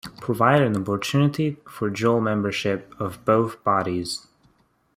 Provide an opportunity for dual membership of both bodies.